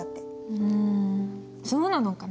うんそうなのかな？